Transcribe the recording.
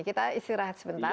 kita istirahat sebentar